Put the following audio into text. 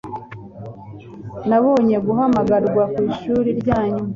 Nabonye guhamagarwa kwishuri ryanyu.